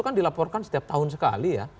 kan dilaporkan setiap tahun sekali ya